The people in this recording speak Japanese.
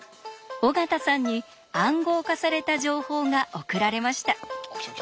尾形さんに「暗号化された情報」が送られました。